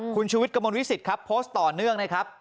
คุณชูวิทย์กระมวลวิสิตครับโพสต์ต่อเนื่องนะครับ